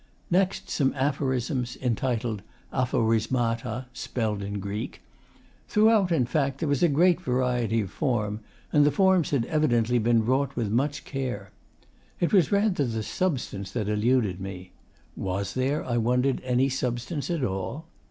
Next, some aphorisms (entitled 'Aphorismata' [spelled in Greek]). Throughout, in fact, there was a great variety of form; and the forms had evidently been wrought with much care. It was rather the substance that eluded me. Was there, I wondered, any substance at all?